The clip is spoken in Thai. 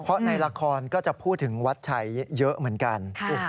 เพราะในละครก็จะพูดถึงวัดชัยเยอะเหมือนกัน